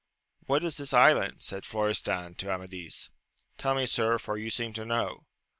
What is this island ! said Morestan to Amadis, tell me, sir, for you seem to know.